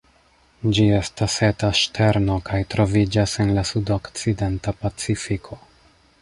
Ĝi estas eta ŝterno kaj troviĝas en la sudokcidenta Pacifiko.